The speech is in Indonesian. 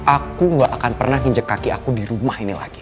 aku gak akan pernah nginjak kaki aku di rumah ini lagi